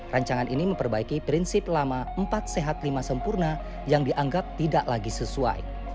rancangan ini memperbaiki prinsip lama empat sehat lima sempurna yang dianggap tidak lagi sesuai